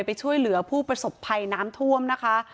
ไปช่วยเหลือผู้ประสบภัยน้ำท่วมนะคะ